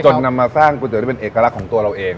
นำมาสร้างก๋วยเตี๋ที่เป็นเอกลักษณ์ของตัวเราเอง